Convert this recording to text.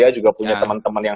juga punya teman teman yang